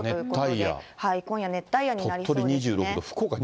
今夜、熱帯夜になりそうですね。